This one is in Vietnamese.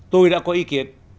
tôi đã có ý kiến